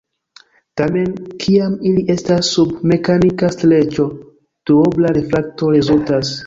Tamen, kiam ili estas sub mekanika streĉo, duobla refrakto rezultas.